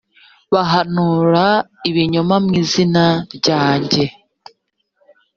bahanura ibinyoma mu izina ryanjye